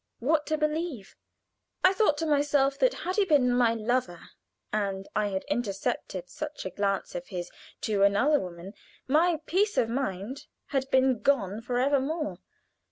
What to believe? I thought to myself that had he been my lover and I had intercepted such a glance of his to another woman my peace of mind had been gone for evermore.